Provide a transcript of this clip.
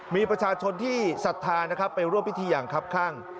มีประชาชนที่ศัฒนาไปร่วมพิธีอย่างครับข้าง